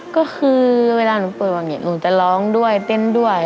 ก็คือเวลาหนูเปิดแบบนี้หนูจะร้องด้วยเต้นด้วย